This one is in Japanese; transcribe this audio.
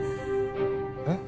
えっ！？